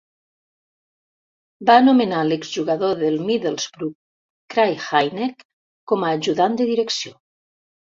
Va anomenar l'exjugador del Middlesbrough Craig Hignett com a ajudant de direcció.